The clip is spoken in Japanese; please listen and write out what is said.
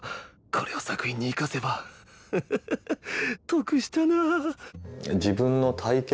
これを作品に生かせばグフフフ得したなあ。